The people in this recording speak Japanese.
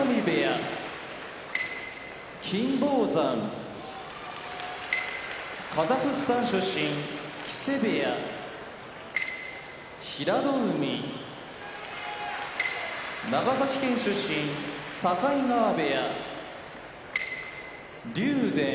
金峰山カザフスタン出身木瀬部屋平戸海長崎県出身境川部屋竜電山梨県出身